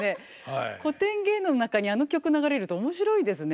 古典芸能の中にあの曲流れると面白いですね。